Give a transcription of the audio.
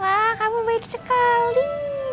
wah kamu baik sekali